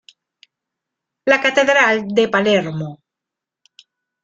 La catedral de Palermo.